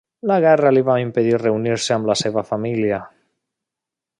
La guerra li va impedir reunir-se amb la seva família.